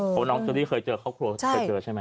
เพราะน้องจุดี้เคยเจอครอบครัว